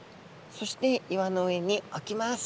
そして岩の上におきます。